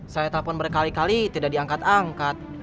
saya telepon berkali kali tidak diangkat angkat